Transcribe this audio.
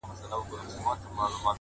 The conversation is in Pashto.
د ګیدړ باټو له حاله وو ایستلی!